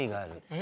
え？